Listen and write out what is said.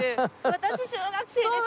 私小学生です！